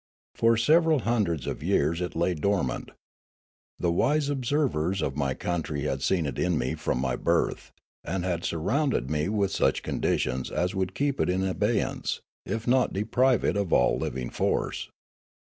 For several hundreds of years it lay dormant. The wise observers of my country had seen it in me from my birth, and had sur rounded me with such conditions as would keep it in abeyance, if not deprive it of all living force.